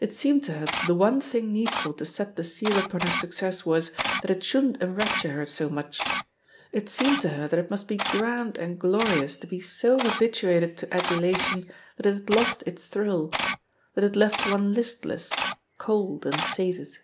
It seemed to her that the one thing needful to set the seal upon her success was, that it shouldn't enrapture her so much; it seemed to her that it must be grand and glorious to be so habituated to adulation that it had lost its thrill, that it left one listless, cold, and sated.